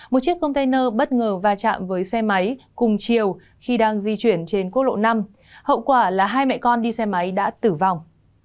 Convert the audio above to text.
một chiếc container bất ngờ va chạm với xe máy cùng chiều khi đang di chuyển trên quốc lộ năm hậu quả là hai mẹ con đi xe máy đã tử vong